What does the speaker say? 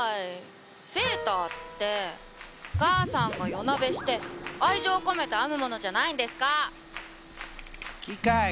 セーターって母さんが夜なべして愛情込めて編むものじゃないんですか！